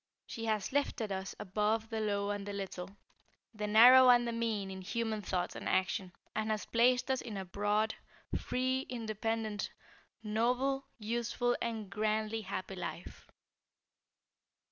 She has lifted us above the low and the little, the narrow and mean in human thought and action, and has placed us in a broad, free, independent, noble, useful and grandly happy life."